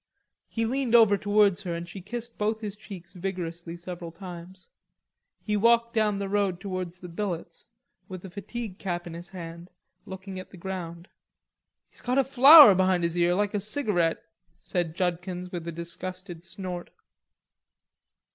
He leaned over towards her and she kissed both his cheeks vigorously several times. He walked down the road towards the billets, with his fatigue cap in his hand, looking at the ground. "He's got a flower behind his ear, like a cigarette," said Judkins, with a disgusted snort.